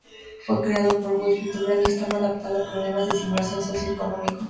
Fue creado por Wilfred Duran y estaba adaptado a problemas de simulación socio económicos.